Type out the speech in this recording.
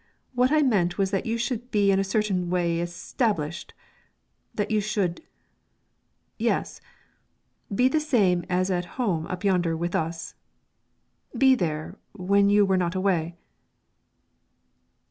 What I meant was that you should be in a certain way established that you should yes be the same as at home up yonder with us, be there, when you were not away."